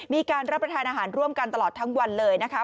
มีการรับประทานอาหารร่วมกันตลอดทั้งวันเลยนะคะ